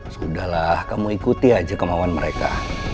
sudahlah kamu ikuti aja kemauan mereka